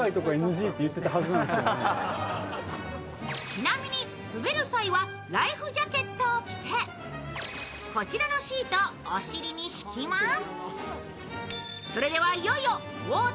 ちなみに、滑る際はライフジャケットを着てこちらのシートをお尻に敷きます。